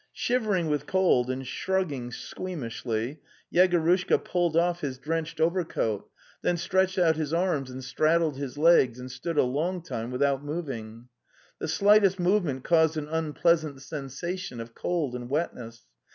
Shivering with cold and shrugging squeamishly, Yegorushka pulled off his drenched overcoat, then stretched out his arms and straddled his legs, and stood a long time without moving. The slightest movement caused an unpleasant sensation of cold and wetness.